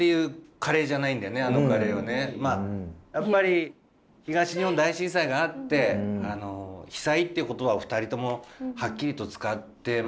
やっぱり東日本大震災があって被災っていう言葉を２人ともはっきりと使ってました。